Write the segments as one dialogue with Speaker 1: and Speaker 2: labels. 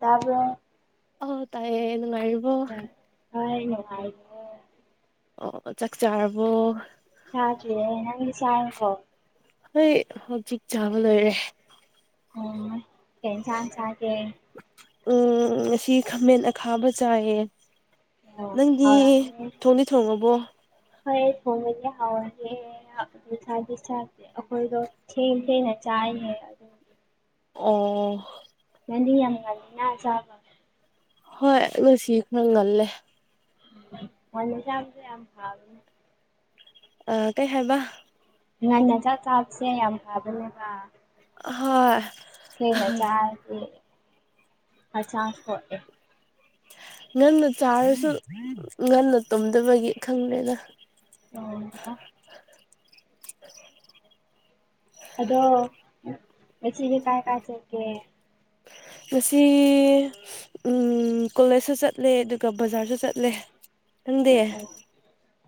Speaker 1: ꯇꯥꯕ꯭ꯔꯣ
Speaker 2: ꯑꯣ ꯇꯥꯏꯌꯦ ꯅꯨꯡꯉꯥꯢꯔꯤꯕꯣ
Speaker 1: ꯍꯣꯢ ꯅꯨꯡꯉꯥꯢꯔꯤꯌꯦ
Speaker 2: ꯑꯣ ꯆꯥꯛ ꯆꯥꯥꯔꯕꯣ
Speaker 1: ꯆꯥꯗ꯭ꯔꯤꯌꯦ ꯅꯪꯗꯤ ꯆꯔꯕꯣ
Speaker 2: ꯍꯣꯏ ꯍꯧꯖꯤꯛ ꯆꯥꯕ ꯂꯣꯏꯔꯦ
Speaker 1: ꯎꯝ ꯀꯩ ꯌꯦꯟ ꯁꯥꯡ ꯆꯥꯒꯦ
Speaker 2: ꯎꯝ ꯑꯁꯤ ꯈꯥꯃꯦꯟ ꯑꯈꯥꯕ ꯆꯥꯏꯌꯦ
Speaker 1: ꯑꯣ
Speaker 2: ꯅꯪꯗꯤ
Speaker 1: ꯍꯥꯎꯔꯝꯅꯤ
Speaker 2: ꯊꯣꯡꯗꯤ ꯊꯣꯡꯉꯕꯣ
Speaker 1: ꯍꯣꯏ ꯊꯣꯡꯉꯒꯦ ꯍꯧꯔꯒꯦꯅ ꯉꯁꯥꯢꯒꯤ ꯆꯥꯛꯁꯦ ꯑꯩꯈꯣꯏꯗꯣ ꯊꯦꯡ ꯊꯦꯡꯅ ꯆ ꯆꯥꯢꯌꯦ ꯑꯗꯨ
Speaker 2: ꯑꯣ
Speaker 1: ꯅꯪꯗꯤ ꯌꯥꯝ ꯉꯥꯜꯂꯤꯅ ꯆꯥꯕ
Speaker 2: ꯍꯣꯏ ꯉꯁꯤ ꯈꯔ ꯉꯜꯂꯦ
Speaker 1: [unintelligible] ꯢꯟꯁꯥꯡꯁꯦ ꯌꯥꯝ ꯍꯥꯎꯏꯅꯦ
Speaker 2: ꯑ ꯀꯩ ꯍꯥꯏꯕ
Speaker 1: ꯉꯟꯅ ꯆꯥꯛ ꯆꯥꯕꯁꯦ ꯌꯥꯝ ꯐꯕꯅꯦꯕ
Speaker 2: ꯍꯣꯏ
Speaker 1: ꯊꯦꯡꯅ ꯆꯥꯔꯗꯤ ꯍꯛꯆꯥꯡ ꯁꯣꯛꯑꯦ
Speaker 2: ꯉꯟꯅ ꯆꯥꯔꯁꯨ ꯉꯟꯅ ꯇꯨꯝꯗꯕꯒꯤ ꯈꯪꯗꯦꯗ
Speaker 1: ꯑꯣ
Speaker 2: [unintelligible]
Speaker 1: ꯑꯗꯣ ꯉꯁꯤꯗꯤ ꯀꯥꯏ ꯀꯥꯏ ꯆꯠꯀꯦ
Speaker 2: ꯉꯁꯤ ꯀꯣꯂꯦꯖꯁꯨ ꯆꯠꯂꯦ ꯑꯗꯨꯒ ꯕꯖꯥꯔꯁꯨ ꯆꯠꯂꯦ ꯅꯪꯗꯤ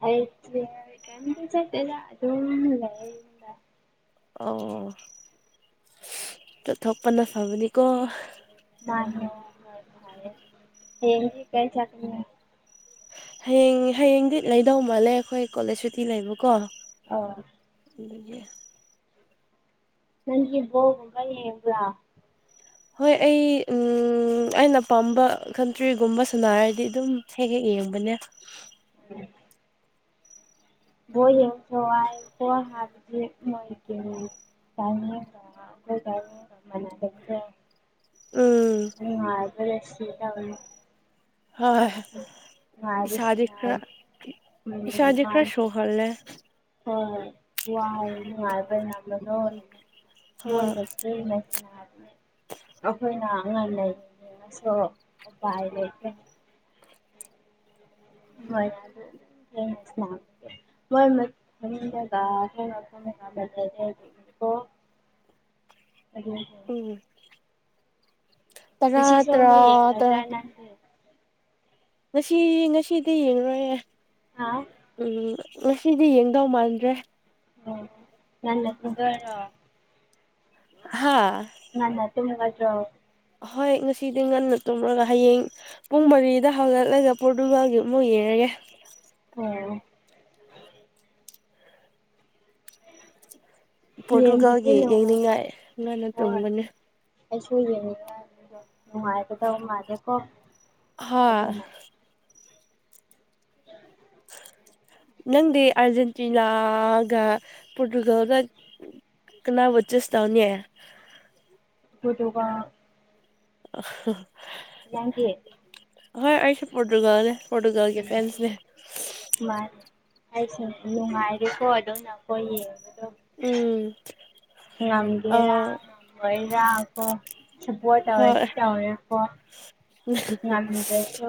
Speaker 1: ꯑꯩ ꯀꯩꯝ ꯆꯠꯇꯦꯗ ꯑꯗꯨꯝ ꯂꯩꯌꯦ ꯌꯨꯝꯗ
Speaker 2: ꯑꯣ ꯑꯗꯣ ꯊꯣꯛꯄꯅ ꯐꯕꯅꯤꯀꯣ
Speaker 1: [unintelligible] ꯍꯌꯦꯡꯗꯤ ꯀꯥꯢ ꯆꯠꯀꯅꯤ
Speaker 2: ꯍꯌꯦꯡ ꯍꯌꯦꯡꯗꯤ ꯂꯩꯗꯧ ꯃꯥꯜꯂꯦ ꯑꯩꯈꯣꯏ ꯀꯣꯂꯦꯖ ꯁꯨꯇꯤ ꯂꯩꯕꯀꯣ
Speaker 1: ꯑꯣ
Speaker 2: ꯑꯗꯨꯒꯤ
Speaker 1: ꯅꯪꯗꯤ ꯕꯣꯜꯒꯨꯝꯕ ꯌꯦꯡꯕ꯭ꯔꯥ
Speaker 2: ꯍꯣꯏ ꯑꯩ ꯎꯝ ꯑꯩꯅ ꯄꯥꯝꯕ ꯀꯟꯇ꯭ꯔꯤꯒꯨꯝꯕ ꯁꯥꯟꯅꯔꯗꯤ ꯑꯗꯨꯝ ꯍꯦꯛ ꯍꯦꯛ ꯌꯦꯡꯕꯅꯦ
Speaker 1: ꯕꯣꯜ ꯌꯦꯡꯕꯁꯨ ꯋꯥꯢ [unintelligible] [unintelligible]
Speaker 2: ꯎꯝ
Speaker 1: [unintelligible] ꯅꯨꯡꯉꯥꯢꯕꯅ ꯁꯤꯗꯧꯔꯦ
Speaker 2: ꯍꯣꯏ ꯏꯁꯥꯗꯤ
Speaker 1: ꯉꯥꯏꯕꯁꯤꯅ
Speaker 2: ꯈꯥꯔ
Speaker 1: ꯃꯥꯅꯤ
Speaker 2: ꯏꯁꯥꯗꯤ ꯈꯔꯥ ꯁꯣꯔ ꯍꯣꯜꯂꯦ
Speaker 1: ꯍꯣꯏ ꯋꯥꯔꯦ ꯅꯨꯡꯉꯥꯏꯕꯅ [unintelligible]
Speaker 2: ꯍꯣꯏ
Speaker 1: ꯃꯣꯢꯅ ꯊꯦꯡꯅ ꯁꯥꯟꯅꯕ ꯑꯩꯈꯣꯏꯅ ꯑꯉꯥꯡ ꯂꯩꯅꯤꯡꯅꯤꯡꯉꯁꯨ ꯎꯄꯥꯏ ꯂꯩꯇꯦ ꯍꯣꯏ [unintelligible] [unintelligible]
Speaker 2: [inaudible]
Speaker 1: ꯑꯗꯨꯒꯤ
Speaker 2: ꯎꯝ
Speaker 1: ꯄ
Speaker 2: ꯇꯔꯥ
Speaker 1: ꯁꯣ
Speaker 2: ꯇꯔꯥ
Speaker 1: ꯑꯃꯨꯛ ꯌꯦꯡꯡ
Speaker 2: ꯇꯔꯥ
Speaker 1: ꯉꯗ꯭ꯔ
Speaker 2: ꯉꯁꯤ ꯉꯁꯤꯗꯤ ꯌꯦꯡꯉꯨꯔꯣꯏꯦ
Speaker 1: ꯍꯥ ꯑꯣ
Speaker 2: ꯎꯝ ꯉꯁꯤꯗꯤ ꯌꯦꯡꯗꯧ ꯃꯥꯟꯗ꯭ꯔꯦ
Speaker 1: ꯑꯣ ꯅꯪꯅ ꯁꯗꯔ
Speaker 2: ꯍꯥꯥ
Speaker 1: ꯉꯟꯅ ꯇꯨꯝꯒꯗꯔꯣ
Speaker 2: ꯑꯍꯣꯏ ꯉꯁꯤꯗꯤ ꯉꯟꯅ ꯇꯨꯝꯂꯒ ꯍꯌꯦꯡ ꯄꯨꯡ ꯃꯔꯤꯗ ꯍꯧꯒꯛꯂꯒ ꯄꯣꯔꯇꯨꯒꯥꯜꯒꯤ ꯑꯃꯨꯛ ꯌꯦꯡꯔꯒꯦ ꯀ [unintelligible]
Speaker 1: ꯑꯣ ꯌꯦꯡꯕꯗꯤ
Speaker 2: ꯄꯣꯔꯇꯨꯒꯥꯜꯒꯤ
Speaker 1: ꯅꯨꯡꯉꯥꯏꯇꯦ
Speaker 2: ꯌꯦꯡꯅꯤꯡꯉꯥꯏ ꯉꯅ
Speaker 1: ꯍꯣꯏ
Speaker 2: ꯇꯨꯝꯒꯅꯦ
Speaker 1: ꯑꯩꯁꯨ ꯑꯣꯏꯒꯅꯤ ꯀ ꯅꯨꯡꯉꯥꯏꯔꯕꯗ ꯃꯥꯅꯦꯀꯣ
Speaker 2: ꯍꯣꯏ
Speaker 1: ꯑꯗꯨꯅ
Speaker 2: ꯅꯪꯗꯤ ꯑꯔꯖꯦꯟꯇꯤꯅꯥꯒ ꯄꯣꯔꯇꯨꯒꯜꯗ ꯀꯅꯥꯕꯨ ꯆꯨꯁ ꯇꯧꯅ
Speaker 1: ꯄꯨꯇꯨꯒꯟꯒꯢ
Speaker 2: ꯍꯣꯏ ꯑꯩꯁꯨ ꯄꯣꯔꯇꯨꯒꯜꯅꯦ ꯐꯣꯗꯨꯒꯦꯜꯒꯤ ꯐꯦꯟꯁꯅꯦ
Speaker 1: ꯑꯩꯁꯦ ꯅꯨꯡꯉꯥꯏꯔꯤꯀꯣ ꯑꯗꯨ ꯅ ꯑꯩꯈꯣꯏ ꯌꯦꯡꯗ
Speaker 2: ꯎꯝ ꯑ
Speaker 1: ꯉꯝꯒꯦꯔꯥ ꯉꯝꯃꯣꯏꯔꯥ ꯀꯣ ꯁꯄꯣꯔꯠ
Speaker 2: ꯍꯣꯏ
Speaker 1: ꯇꯧꯔꯦꯗꯤ ꯇꯧꯔꯦꯀꯣ ꯉꯝꯗꯁꯨ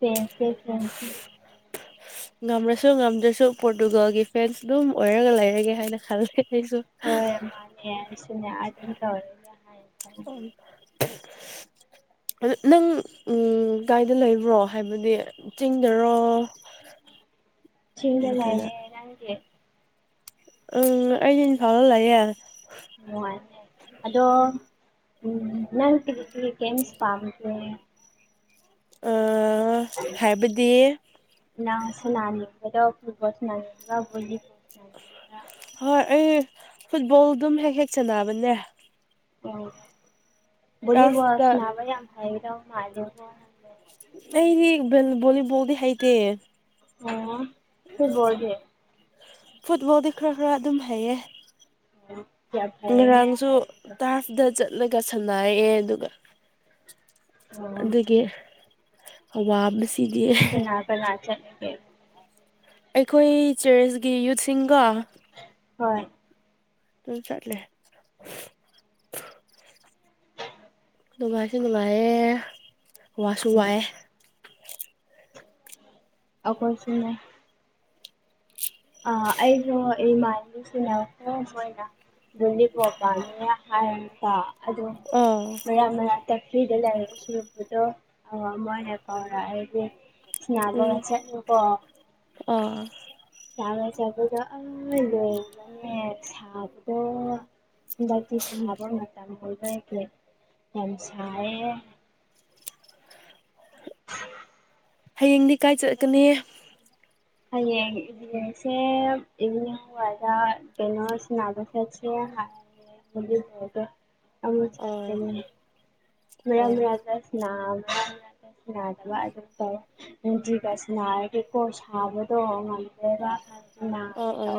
Speaker 1: ꯐꯁ ꯐ
Speaker 2: ꯉꯝꯂꯁꯨ ꯉꯝꯗ꯭ꯔꯁꯨ ꯄꯣꯔꯇꯨꯒꯜꯒꯤ ꯐ꯭ꯔꯦꯟꯁ ꯑꯗꯨꯝ ꯑꯣꯏꯔꯒ ꯂꯩꯔꯒꯦ ꯍꯥꯏꯅ ꯈꯂꯦ
Speaker 1: ꯍꯣꯏ ꯃꯥꯅꯦꯁꯨꯅꯦ ꯑꯗꯨ ꯇ ꯑꯣꯏꯔ
Speaker 2: ꯎ ꯑ ꯅꯪ ꯀꯥꯏꯗ ꯂꯩꯕ꯭ꯔꯣ ꯍꯥꯏꯕꯗꯤ ꯆꯤꯡꯗꯔꯣ [inaudible]
Speaker 1: ꯆꯤꯡꯗ
Speaker 2: ꯅꯠꯇ꯭ꯔꯒ
Speaker 1: ꯂꯩꯌꯦ ꯅꯪꯗꯤ
Speaker 2: ꯎꯝ ꯑꯩꯗꯤ ꯏꯟꯐꯥꯜꯗ ꯂꯩꯌꯦ
Speaker 1: ꯑꯣ ꯑꯗꯣ ꯎꯝ ꯅꯪ ꯀꯦꯝꯁ ꯄꯥꯝ
Speaker 2: ꯑ ꯍꯥꯏꯕꯗꯤ
Speaker 1: ꯅꯪ ꯁꯅꯤ ꯈꯔꯣ ꯐꯨꯠꯕꯜ ꯁꯨꯔ ꯈꯣ ꯂꯤꯕ
Speaker 2: ꯍꯣꯏ ꯑꯩ ꯐꯨꯠꯕꯣꯜ ꯑꯗꯨꯝ ꯍꯦꯛ ꯍꯦꯛ ꯆꯅꯕꯅꯦ ꯇꯔꯐꯇ
Speaker 1: ꯑꯣꯕꯣꯁꯅꯕ ꯌꯥꯝ ꯍꯥꯏꯔ ꯃꯥ
Speaker 2: ꯑꯩꯗꯤ ꯚꯣꯂꯤꯕꯣꯜꯗꯤ ꯍꯩꯇꯦ
Speaker 1: ꯑꯣ ꯁꯤꯕꯣꯒ
Speaker 2: ꯐꯨꯠꯕꯣꯜꯗꯤ ꯈꯔ ꯈꯔ ꯑꯗꯨꯝ ꯍꯩꯌꯦ
Speaker 1: ꯑꯣ ꯌꯥꯝ ꯐꯩꯌꯦꯅꯦ
Speaker 2: ꯉꯔꯥꯡꯁꯨ
Speaker 1: ꯍꯩꯕꯗꯣ
Speaker 2: ꯇꯥꯐꯗ ꯆ ꯂꯒ ꯁꯥꯟꯅꯔꯛꯑꯦ ꯑꯗꯨꯒ
Speaker 1: ꯑꯣ
Speaker 2: ꯑꯗꯨꯒꯤ ꯑ ꯋꯥ ꯃ ꯁꯤꯗꯤ
Speaker 1: ꯆ
Speaker 2: ꯑꯩꯈꯣꯏ ꯆꯦꯔꯁꯀꯤ ꯌꯨꯠꯁꯤꯡꯒ
Speaker 1: ꯍꯣꯏ
Speaker 2: ꯑꯗꯨ ꯆꯠꯂ ꯅꯨꯡꯉꯥꯏꯁꯨ ꯅꯨꯡꯉꯥꯏꯌꯦ ꯋꯥꯁꯨ
Speaker 1: ꯎꯝ
Speaker 2: ꯋꯥꯏꯑꯦ
Speaker 1: ꯑꯩꯈꯣꯏ ꯁꯤꯟꯅ ꯑꯥ ꯑꯩꯁꯨ ꯏ ꯃꯥꯁꯤꯅꯦ ꯁꯣꯏꯅ ꯅꯤ ꯄꯄ ꯍꯥꯏ ꯑꯗꯨ
Speaker 2: ꯑꯥ
Speaker 1: ꯃꯔꯛ ꯃꯔꯛꯇ ꯐ꯭ꯔꯤꯗ ꯂꯩ ꯁꯨꯔꯨꯄꯗꯣ ꯑ ꯃꯅꯦ ꯀꯥꯎ ꯍꯥꯏꯗꯤ ꯌꯥꯕ
Speaker 2: ꯎꯝ
Speaker 1: ꯆ ꯀꯣ
Speaker 2: ꯑꯥ
Speaker 1: ꯁꯥꯏꯖꯥꯗ ꯑꯩ ꯃꯦꯛ ꯁꯕꯣ ꯍꯟꯗꯛꯇꯤ ꯁꯥꯕ ꯃꯇꯝ ꯍꯣꯏꯕ ꯍꯦ ꯌꯥꯝ ꯁꯥꯏꯌꯦ [inaudible]
Speaker 2: ꯍꯌꯦꯡꯗꯤ ꯀꯥꯏ ꯆꯠꯀꯅꯤ
Speaker 1: ꯍꯌꯦꯡ ꯏꯁꯦ ꯏ ꯋꯥ ꯀꯩꯅꯣꯁꯕ ꯆꯁꯦ [inaudible] ꯑꯃ
Speaker 2: ꯑꯥ
Speaker 1: ꯆ
Speaker 2: ꯑꯥ
Speaker 1: ꯃ
Speaker 2: ꯑꯥ
Speaker 1: ꯃꯔꯗꯁꯅ ꯅꯕ ꯑꯗꯨꯝ ꯇꯧ ꯅꯨꯡꯇꯒ ꯁꯟꯅꯔꯒꯦ ꯀꯣꯔꯁ ꯑꯕꯗꯣ ꯃꯜꯗꯗꯦꯕ
Speaker 2: ꯑꯥ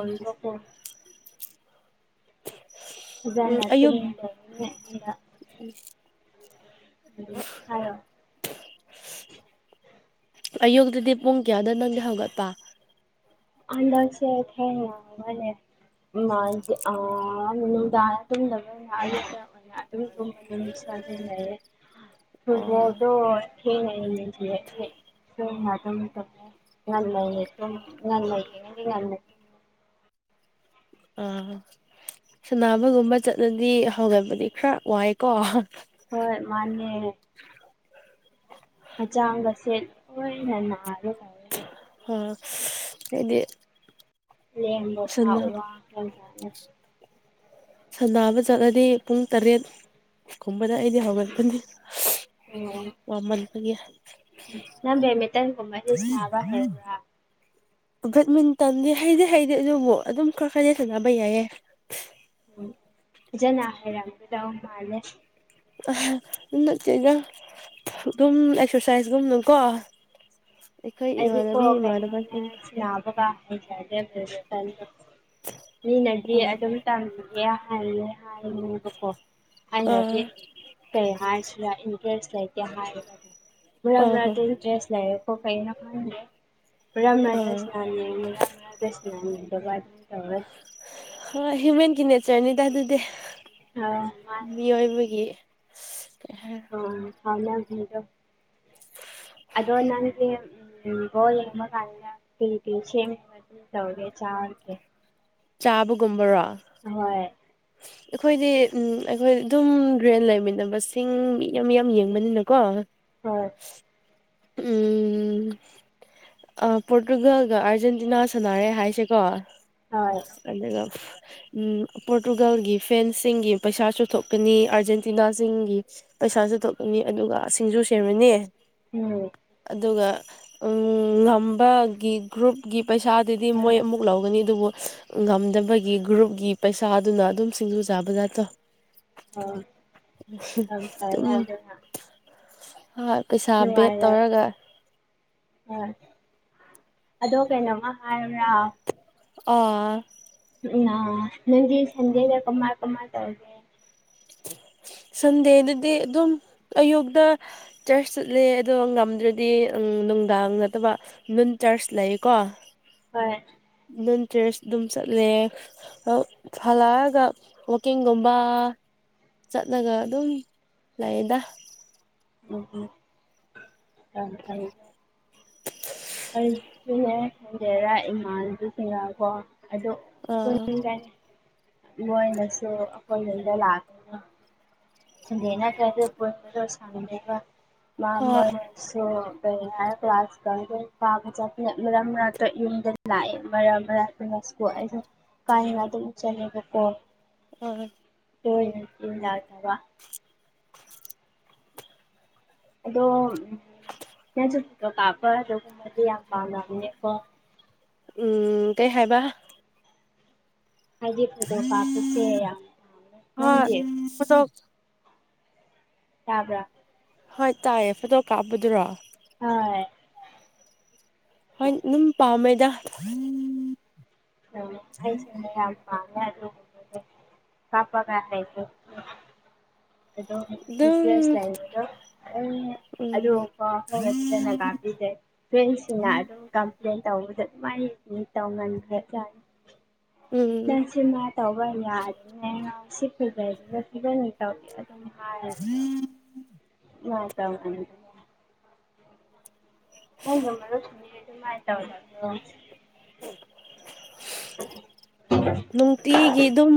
Speaker 1: ꯑꯖꯅ
Speaker 2: ꯎꯝ ꯑꯌꯨꯛ
Speaker 1: ꯑꯗꯨ
Speaker 2: ꯑꯌꯨꯛꯇꯗꯤ ꯄꯨꯡ ꯀꯌꯥꯗ ꯅꯪꯗꯤ ꯍꯧꯒꯠꯄ
Speaker 1: ꯑꯗꯁꯦ ꯊꯦꯡꯅꯥ ꯍꯦꯠꯠꯂꯦ ꯑꯔ ꯑꯗꯨ ꯑꯗꯨ
Speaker 2: ꯑꯣ
Speaker 1: ꯐꯨꯠꯕꯣꯜꯣ ꯌꯥꯗ ꯌꯥ ꯂ ꯉ ꯃꯇꯗꯤ ꯉ
Speaker 2: ꯑꯥ ꯁꯅꯕꯒꯨꯝꯕ ꯆꯠꯂꯗꯤ ꯍꯧꯒꯠꯕꯗꯤ ꯈꯔ ꯋꯥꯏꯀꯣ
Speaker 1: ꯍꯣꯏ ꯍꯆꯥꯡꯒꯁꯦꯠ ꯍꯣꯏꯅ ꯅꯥꯔꯦ ꯇꯧꯋꯦ
Speaker 2: ꯑ ꯍꯥꯏꯗꯤ
Speaker 1: ꯂꯕ ꯊ ꯎ ꯋꯥ ꯆꯦ
Speaker 2: ꯁꯥꯟꯅꯕ ꯆꯠꯂꯗꯤ ꯄꯨꯡ ꯇꯔꯦꯠ ꯀꯨꯝꯕꯗ ꯑꯩꯗꯤ ꯍꯧꯒꯠꯄꯅꯤ
Speaker 1: ꯎꯝ
Speaker 2: ꯋꯥꯃꯟꯕꯒꯤ
Speaker 1: ꯅꯪ ꯕꯦꯗꯃꯤꯟꯇꯟꯒꯨꯝꯃꯗꯤꯁꯅꯥꯕ ꯍꯩꯕꯔꯥ
Speaker 2: ꯕꯦꯠꯃꯤꯟꯇꯟꯗꯤ ꯍꯩꯗꯤ ꯍꯩꯗꯤ ꯑꯗꯨꯕꯨ ꯑꯗꯨꯝ ꯈꯔ ꯈꯔꯗꯤ ꯁꯥꯟꯅꯕ ꯌꯥꯏꯌꯦ
Speaker 1: ꯎꯝ ꯖꯅ ꯍꯥꯏꯦꯔꯝꯗꯎ ꯃꯥꯂꯦ
Speaker 2: ꯏꯅ ꯆꯠ ꯑꯗꯨꯝ ꯑꯦꯛꯁꯔꯁꯥꯏꯁꯒꯨꯝꯅꯀꯣ ꯑꯩꯈꯣꯏ
Speaker 1: ꯑꯩꯗꯤ ꯀꯣ
Speaker 2: ꯏꯃꯥꯟꯅꯕꯤ
Speaker 1: ꯀꯩꯅꯩꯅ
Speaker 2: ꯏꯃꯥꯟꯅꯕꯁꯤꯡ
Speaker 1: ꯁꯅꯥꯕꯗ ꯐ ꯃꯤꯅꯗꯤ
Speaker 2: ꯑꯥ
Speaker 1: ꯑꯗꯨꯝ ꯇꯝꯒꯦ ꯍꯥꯏꯌꯦ ꯍꯥꯏꯔꯤꯅꯦꯕꯀꯣ
Speaker 2: ꯑꯥ
Speaker 1: ꯑꯩꯅꯗꯤ ꯀꯩ ꯍꯥꯏꯔꯁꯨ ꯂꯥꯛꯏꯅꯤ ꯗ꯭ꯔꯦꯁ ꯂꯩꯇꯦ ꯍꯥꯏꯔ ꯃꯔꯥ
Speaker 2: ꯑꯥ ꯍꯣꯏ
Speaker 1: ꯃꯔꯥꯗꯤ ꯗ꯭ꯔꯦꯁ ꯂꯩꯔꯦꯀꯣ ꯀꯦ ꯔꯝ
Speaker 2: ꯑꯥ
Speaker 1: ꯔꯥꯖꯁ ꯅꯅꯤ ꯔ ꯔꯥꯖꯁ ꯅꯅꯥꯗꯒ
Speaker 2: ꯍꯣꯏ ꯍ꯭ꯌꯨꯃꯦꯟꯒꯤ ꯅꯦꯆꯔꯅꯤꯗ ꯑꯗꯨꯗꯤ
Speaker 1: ꯑꯥ ꯃꯥꯅꯦ
Speaker 2: ꯃꯤꯑꯣꯏꯕꯒꯤ ꯀꯩ ꯍꯥꯏꯔ
Speaker 1: ꯑ ꯐꯅꯕꯤꯗꫭ
Speaker 2: [inaudible]
Speaker 1: ꯑꯗꫭ ꯅꯪꯗꯤ ꯎꯝ ꯕꫭꯜ ꯌꯦꯡꯕ ꯀꯥꯟꯗ ꯀꯩ ꯀꯩ ꯁꯦꯝ ꯑꯗꯨꯝ ꯇꯧꯔꯦ ꯆꯥ ꯔꯒꯦ
Speaker 2: ꯆꯥꯕꯒꯨꯝꯕꯔꯣ
Speaker 1: ꯍꯣꯏ
Speaker 2: ꯑꯩꯈꯣꯏꯗꯤ ꯎꯝ ꯑꯩꯈꯣꯏ ꯑꯗꯨꯝ ꯔꯦꯟ ꯂꯩꯃꯤꯟꯅꯕꯁꯤꯡ ꯃꯌꯥꯝ ꯃꯌꯥꯝ ꯌꯦꯡꯕꯅꯤꯅꯀꯣ
Speaker 1: ꯍꫭꯏ
Speaker 2: ꯎꯝ ꯑꯥ ꯄꯣꯔꯇꯨꯒꯜꯒ ꯑꯥꯔꯖꯦꯟꯇꯤꯅꯥ ꯁꯥꯟꯅꯔꯦ ꯍꯥꯏꯁꯦꯀꯣ
Speaker 1: ꯍꯣꯏ
Speaker 2: ꯑꯗꯨꯒ ꯄꯣꯔꯇꯨꯒꯥꯜꯒꯤ ꯐꯦꯟꯁꯁꯤꯡꯒꯤ ꯄꯩꯁꯥꯁꯨ ꯊꯣꯛꯀꯅꯤ ꯑꯥꯔꯖꯦꯟꯇꯤꯅꯥꯁꯤꯡꯒꯤ ꯄꯩꯁꯥꯁꯨ ꯊꯣꯛꯂꯅꯤ ꯑꯗꯨꯒ ꯁꯤꯡꯖꯨ ꯁꯦꯝꯃꯅꯤ
Speaker 1: ꯎꯝ
Speaker 2: ꯑꯗꯨꯒ ꯉꯝꯕꯒꯤ ꯒ꯭ꯔꯨꯞꯀꯤ ꯄꯩꯁꯥꯗꯨꯗꯤ ꯃꯣꯏ ꯑꯃꯨꯛ ꯂꯧꯒꯅꯤ ꯑꯗꯨꯕꯨ ꯉꯝꯗꯕꯒꯤ ꯒ꯭ꯔꯨꯞꯀꯤ ꯄꯩꯁꯥꯗꯨꯅ ꯑꯗꯨꯝ ꯁꯤꯡꯖꯨ ꯆꯥꯕꯖꯥꯠꯇꯣ
Speaker 1: ꯌꯥꯝ ꯐꯔꯦꯅꯦ
Speaker 2: ꯎꯝ
Speaker 1: ꯑꯗꯨꯅ
Speaker 2: ꯄꯩꯁꯥ ꯕꯦꯠ ꯇꯧꯔꯒ
Speaker 1: ꯑ ꯑꯗꯣ ꯀꯩꯅꯣꯝꯃ ꯍꯥꯏꯌꯨꯔꯥ
Speaker 2: ꯑꯥ
Speaker 1: ꯎ ꯅꯥ ꯅꯪꯗꯤ ꯁꯟꯗꯦꯗ ꯀꯃꯥꯏ ꯇꯧꯔꯒꯦ
Speaker 2: [inaudible] ꯁꯟꯗꯦꯗꯗꯤ ꯑꯗꯨꯝ ꯑꯌꯨꯛꯇ ꯆꯔꯁ ꯆꯠꯂꯦ ꯑꯗꯣ ꯉꯝꯗ꯭ꯔꯗꯤ ꯎꯝ ꯅꯨꯡꯗꯥꯡ ꯅꯠꯇꯕ ꯅꯨꯨꯟ ꯆꯔꯁ ꯂꯩꯌꯦꯀꯣ
Speaker 1: ꯍꯣꯏ
Speaker 2: ꯅꯨꯟ ꯆꯔꯁ ꯑꯗꯨꯝ ꯆꯠꯂꯦ ꯎ ꯍꯜꯂꯛꯑꯒ ꯋꯥꯛꯀꯤꯡꯒꯨꯝꯕ ꯆꯠꯂꯒ ꯑꯗꯨꯝ ꯂꯩꯗ
Speaker 1: ꯎꯝ ꯌꯥꯝ ꯐꯩ ꯑꯩꯁꯨꯅꯦ ꯗꯦꯔꯥ ꯏꯃꯥꯟꯗꯨ ꯊꯦꯡꯅꯕ ꯑꯗꯣ
Speaker 2: ꯑꯥ
Speaker 1: ꯄꯨꯟꯗꯦ ꯃꫭꯏꯅꯁꯨ ꯑꯩꯈꯣꯏ ꯔꯨꯝꯗ ꯂꯥꯛꯀꯅꯤ ꯁꯟꯗꯦꯅ ꯀꯥꯏꯗ ꯀꯣꯏꯕꯗꯣ ꯁꯥꯟꯅꯕ ꯃꯥ
Speaker 2: ꯍꯣꯏ
Speaker 1: ꯃꯣꯏꯁꯨ ꯀ ꯀ꯭ꯂꯥꯁꯪꯗ ꯀꯥꯒ ꯆꯅ ꯃꯔꯝꯛ ꯃꯔꯛꯇ ꯌꯨꯝꯗ ꯂꯥꯛꯑꯦ ꯃꯔꯛ ꯃꯔꯛꯇꯅ ꯑꯩꯁꯨ ꯀꯥꯏꯅ ꯑꯗꯨꯝ ꯆꯠꯂꯦꯕꯀꯣ
Speaker 2: ꯎꯝ
Speaker 1: ꯇꯣꯏꯅꯗꯤ ꯂꯥꯠꯇꯕ ꯑꯗꯣ ꯎꯝ ꯅꯪꯁꯨ ꯐꫭꯇꫭ ꯀꯥꯞꯄ ꯑꯗꯨꯒꯨꯝꯕꯗꯤ ꯌꯥꯝ ꯄꯥꯝꯅꯕꯅꯦꯀꯣ
Speaker 2: ꯎꯝ ꯀꯩ ꯍꯥꯏꯕ
Speaker 1: ꯍꯥꯏꯗꯤ ꯀꯥꯞꯄꯁꯦ ꯌꯥꯝ ꯄꯥꯝꯃꯦ
Speaker 2: ꯍꯣꯏ
Speaker 1: ꯅꯪꯗꯤ
Speaker 2: ꯐꯣꯇꯣ
Speaker 1: ꯇꯥꯕ꯭ꯔꯥ
Speaker 2: ꯍꯣꯏ ꯇꯥꯏꯌꯦ ꯐꯣꯇꯣ ꯀꯥꯞꯄꯗꯨꯔꯣ
Speaker 1: ꯑꯥꯏ
Speaker 2: ꯍꯣꯏ ꯑꯗꯨꯝ ꯄꯥꯝꯃꯦꯗ
Speaker 1: ꯑꯣ ꯑꯩꯁꯦ ꯃꯌꯥꯝ ꯄꯥꯝꯃꯦ ꯑꯗꯨꯒꯨꯝꯕꯗꯤ ꯀꯥꯞꯄꯒ ꯑꯗꯨꯝ ꯏꯟꯇꯔꯦꯁ ꯂꯩ ꯑꯗꯣ ꯑꯗꯨ
Speaker 2: ꯎꯝ
Speaker 1: ꯀ ꯑꯩꯈꯣꯏꯅ ꯐꯖꯅꯒꯥꯄꯤꯗꯦ ꯐ꯭ꯔꯦꯟꯁꯤꯅ ꯑꯗꯨꯝ ꯀꯝ ꯄ꯭ꯂꯦꯟ ꯇꯧꯕꯗ ꯃꯥꯏ ꯃꯤ ꯇꯧꯃꯟꯈ꯭ꯔꯦ ꯀꯥꯏꯅ
Speaker 2: ꯎꯝ
Speaker 1: ꯅꯪꯁꯤꯃ ꯇꯧꯕ ꯌꯥꯗ ꯅ ꯁꯤꯄꯗ ꯐ ꯇꯧ ꯑꯗꯨꯝ ꯍꯥ ꯆ ꯉ ꯇꯧ ꯍ ꯅ ꯑꯗꯨꯣ ꯑꯗꯨꯃ ꯍꯥꯏ ꯇ ꯑꯣꯏꯗꯣ
Speaker 2: ꯅꯨꯡꯇꯤꯒꯤ ꯑꯗꯨꯝ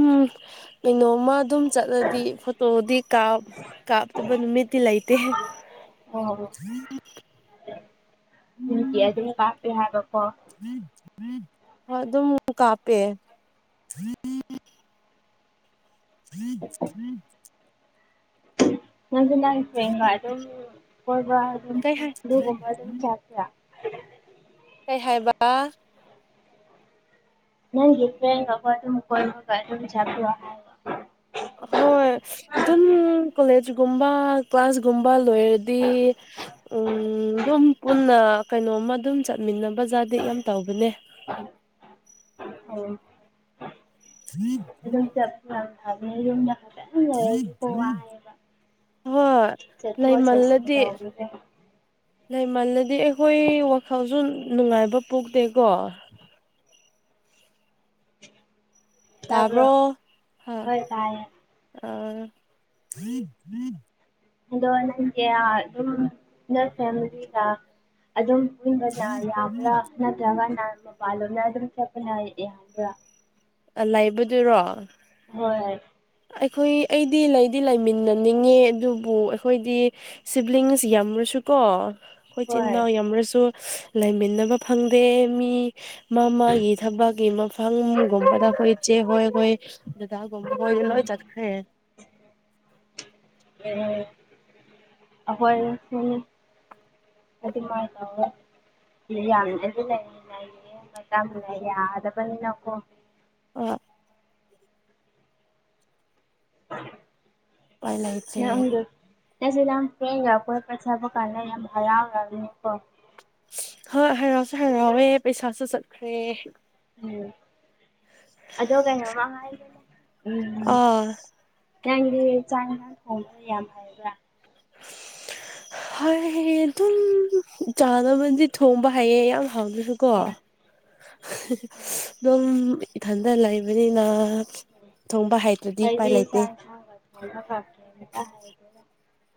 Speaker 2: ꯀꯩꯅꯣꯝꯃ ꯑꯗꯨꯝ ꯆꯠꯂꯗꯤ ꯐꯣꯇꯣꯗꯤ ꯀꯥꯞ ꯀꯥꯞꯇꯅ ꯃꯦꯇꯤ ꯂꯩꯥꯏꯇ
Speaker 1: ꯑꯣ ꯗꯤ ꯑꯗꯨ ꯀꯄꯦ ꯍꯥꯏꯒ
Speaker 2: ꯑꯗꯨꯣꯡ ꯀꯄꯦ ꯍꯝ ꯎꯝ
Speaker 1: ꯅꯪꯁ ꯅꯪ ꯐꯦꯟꯕ ꯑꯗꯨꯝ ꯀꯕ ꯑꯗꯨꯝ
Speaker 2: ꯀꯩ ꯍꯥꯏ
Speaker 1: ꯆ ꯨꯒꯨꯝꯕ ꯑꯗꯨꯝ ꯆꯥꯄ꯭ꯔ ꯍ
Speaker 2: ꯀꯩ ꯍꯥꯏꯕ
Speaker 1: ꯅ ꯌꯦꯣꯏ
Speaker 2: ꯍꯣꯏ ꯑꯗꯨꯝ ꯀꯣꯂꯦꯖꯒꯨꯝꯕ ꯀ꯭ꯂꯥꯁꯒꯨꯝꯕ ꯂꯣꯏꯔꯗꯤ ꯎ ꯑꯗꯨꯝ ꯄꯨꯟꯅ ꯀꯩꯅꯣꯝꯃ ꯑꯗꯨꯝ ꯆꯠꯃꯤꯟꯅꯕ ꯖꯥꯔꯗꯤ ꯌꯥꯝ ꯇꯧꯕꯅꯦ
Speaker 1: ꯎꯝ ꯑꯗꯨꯝ ꯆꯝ
Speaker 2: ꯍꯣꯏ
Speaker 1: ꯆꯠꯊꯣꯛ ꯆꯠꯁꯤꯟ
Speaker 2: ꯂꯩꯃꯜꯂꯗꯤ
Speaker 1: ꯇꯧꯕꯁꯦ
Speaker 2: ꯂꯩꯃꯜꯂꯗꯤ ꯑꯩꯈꯣꯏ ꯋꯥꯈꯜꯁꯨ ꯅꯨꯡꯉꯥꯏꯕ ꯄꯣꯛꯇꯦꯀꯣ
Speaker 1: ꯇꯥꯕ꯭ꯔꯣ
Speaker 2: ꯇꯕꯣ ꯍꯥ
Speaker 1: ꯍꯣꯏ ꯇꯥꯏꯌꯦ
Speaker 2: ꯑ
Speaker 1: ꯑꯗꯣ ꯅꯪ ꯑꯗꯨꯝ ꯅ ꯐꯦꯂꯤꯒ ꯑꯗꯨꯝ ꯟꯕꯅ ꯌꯥꯕ꯭ꯔꯥ ꯅꯠꯇ꯭ꯔꯒꯅ ꯃꯄꯥꯟꯂꯣꯝꯗ ꯑꯗꯨꯝ ꯆꯠꯄꯅ ꯌꯥꯕ꯭ꯔꯥ
Speaker 2: ꯑ ꯂꯩꯕꯗꯨꯔꯣ
Speaker 1: ꯍꯣꯏꯣꯏ
Speaker 2: ꯑꯩꯈꯣꯏ ꯑꯩꯗꯤ ꯂꯩꯗꯤ ꯂꯩꯃꯤꯟꯅꯅꯤꯡꯉꯦ ꯑꯗꯨꯕꯨ ꯑꯩꯈꯣꯏꯗꯤ ꯁꯤꯕ꯭ꯂꯤꯡꯁ ꯌꯥꯝꯔꯁꯨ ꯀꯣ ꯑꯩꯈꯣꯏ ꯏꯆꯤꯟ
Speaker 1: ꯍꯣꯏ
Speaker 2: ꯏꯅꯥꯎ ꯌꯥꯝꯔꯁꯨ ꯂꯩꯃꯤꯟꯅꯕ ꯐꯪꯗꯦ ꯃꯤ ꯃꯥ ꯃꯥꯒꯤ ꯊꯕꯛꯀꯤ ꯃꯐꯝꯒꯨꯝꯕꯗ ꯑꯩꯈꯣꯏ ꯏꯆꯦ ꯍꯣꯏ ꯑꯩꯈꯣꯏ ꯗꯗꯥꯒꯨꯝꯕ ꯍꯣꯏ ꯂ
Speaker 1: ꯎꯝ
Speaker 2: ꯆꯠꯦ
Speaker 1: ꯑꯗꯤ ꯂꯩꯠꯇ ꯌꯥꯗꯕꯅꯤꯅꯣꯣ
Speaker 2: ꯎ
Speaker 1: ꯑ
Speaker 2: ꯄꯥꯏ ꯂꯩ ꯆꯦ
Speaker 1: ꯅ ꯁꯤꯗ ꯌꯥꯝ ꯐ꯭ꯔꯦ ꯌꯥꯎ ꯀꯣꯄꯠ ꯁꯥꯕ ꯀꯥꯟꯗ ꯌꯥꯝ ꯍꯔꯥꯎ ꯌꯥꯎꯅꯤꯀꯣ
Speaker 2: ꯍꯣꯏ ꯍꯔꯥꯎꯁꯨ ꯍꯔꯥꯎꯋꯦ ꯄꯩꯁꯥꯁꯨ ꯆꯠꯈ꯭ꯔꯦ
Speaker 1: ꯎꯝ ꯑꯗꯣ ꯀꯩꯅꯉ
Speaker 2: ꯑ
Speaker 1: ꯅꯪꯗꯤ ꯆꯥꯛ ꯟꯥꯡ ꯊꯣꯡꯕ꯭ꯔ ꯌꯥꯝ ꯐꯕ꯭ꯔꯥ
Speaker 2: ꯍ ꯑꯗꯨꯝ ꯆꯥꯅ ꯃꯗꯤ ꯊꯣꯡꯝꯕ ꯍꯥꯏꯌꯦ ꯌꯥꯝ ꯍꯥꯎꯗꯁꯨꯀꯣ
Speaker 1: ꯑꯣ
Speaker 2: ꯑꯗꯨꯝ ꯏꯊꯟꯗ ꯂꯩꯕꯅꯤꯅ ꯊꯣꯡꯕ ꯍꯩꯇ꯭ꯔꯗꯤ ꯎꯄꯥꯏ
Speaker 1: ꯀꯕꯤ
Speaker 2: ꯂꯩꯇꯦ
Speaker 1: ꯆꯃꯦ ꯍꯥꯏꯗꯔ